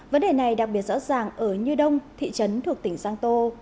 vấn đề này đặc biệt rõ ràng ở như đông thị trấn thuộc tỉnh giang tô